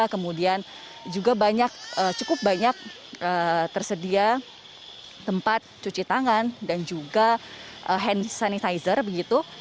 kemudian juga cukup banyak tersedia tempat cuci tangan dan juga hand sanitizer begitu